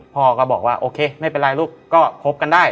พ่อก็บอกว่าโอเคไม่เป็นไรลูกก็คบกันได้